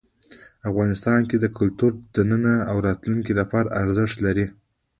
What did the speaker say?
افغانستان کې کلتور د نن او راتلونکي لپاره ارزښت لري.